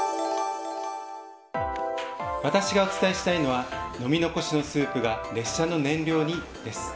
私がお伝えしたいのは飲み残しのスープが列車の燃料にです。